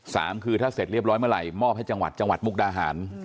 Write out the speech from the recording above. สามคือถ้าเสร็จเรียบร้อยเมื่อไหร่มอบให้จังหวัดจังหวัดมุกดาหาร